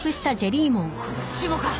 こっちもか！